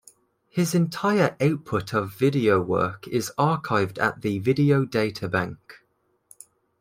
His entire output of video work is archived at the Video Data Bank.